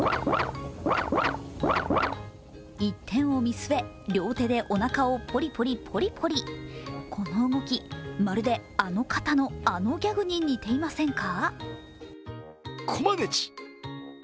１点を見据え、両手でおなかをポリポリポリポリこの動き、まるであの方のあのギャグに似ていませんか？